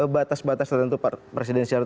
batas batas tertentu presidensial